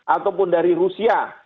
ataupun dari rusia